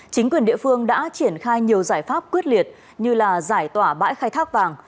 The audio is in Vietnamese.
chính quyền địa phương đã triển khai nhiều giải pháp quyết liệt như giải tỏa bãi khai thác vàng